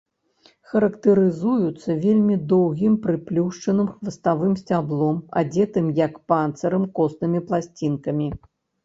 Характарызуюцца вельмі доўгім прыплюшчаным хваставым сцяблом, адзетым, як панцырам, коснымі пласцінкамі.